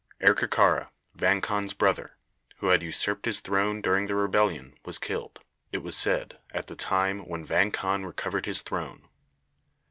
Erkekara, Vang Khan's brother, who had usurped his throne during the rebellion, was killed, it was said, at the time when Vang Khan recovered his throne.